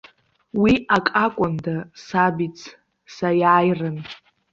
Уи ак акәында, сабиц, саиааирын.